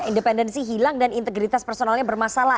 independensi hilang dan integritas personalnya bermasalah